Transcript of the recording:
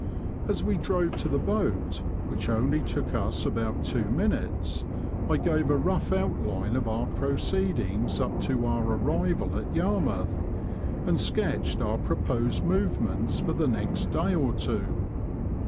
As we drove to the boat, which only took us about two minutes, I gave a rough outline of our proceedings up to our arrival at Yarmouth, and sketched our proposed movements for the next day or two.